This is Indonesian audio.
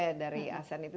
c dari asean itu